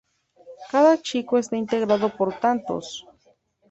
Cada chico está integrado por tantos.